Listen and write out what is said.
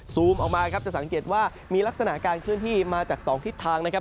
มออกมาครับจะสังเกตว่ามีลักษณะการเคลื่อนที่มาจาก๒ทิศทางนะครับ